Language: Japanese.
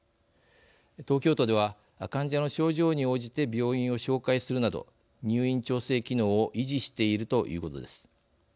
東京都では、患者の症状に応じて病院を紹介するなど入院調整機能を維持しているということです。